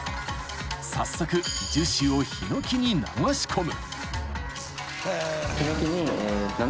［早速樹脂をヒノキに流し込む］